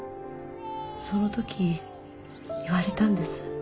そのとき言われたんです。